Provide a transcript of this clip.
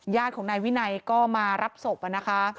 ญาติของนายวินัยก็มารับศพนะคะ